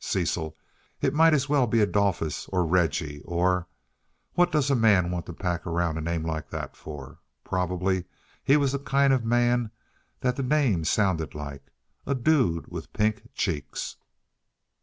Cecil! It might as well be Adolphus or Regie or what does a man want to pack around a name like that for? Probably he was the kind of man that the name sounded like; a dude with pink cheeks.